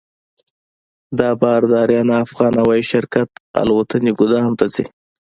دا بار د اریانا افغان هوایي شرکت الوتکې ګودام ته ځي.